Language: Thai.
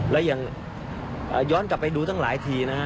และยังย้อนกลับไปดูตั้งหลายทีนะฮะ